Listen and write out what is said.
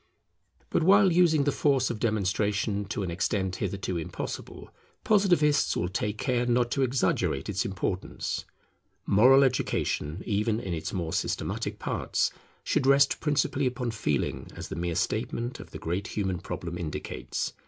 But while using the force of demonstration to an extent hitherto impossible, Positivists will take care not to exaggerate its importance. Moral education, even in its more systematic parts, should rest principally upon Feeling, as the mere statement of the great human problem indicates.